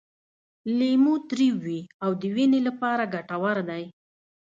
لیمو تریو وي او د وینې لپاره ګټور دی.